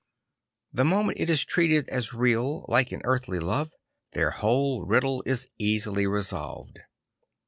The moment it is treated as real, like an earthly love, their whole riddle is easily resolved.